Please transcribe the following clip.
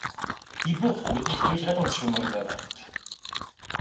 Die Bucht wird nicht durch Rettungsschwimmer überwacht.